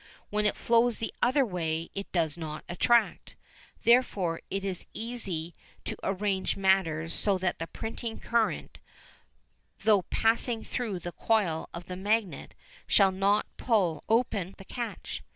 When it flows the other way, it does not attract. Therefore it is easy to arrange matters so that the printing current, though passing through the coil of the magnet, shall not pull open the catch.